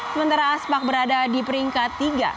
sementara aspak berada di peringkat tiga